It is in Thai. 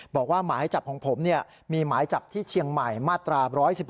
บอกว่าหมายจับของผมมีหมายจับที่เชียงใหม่มาตรา๑๑๖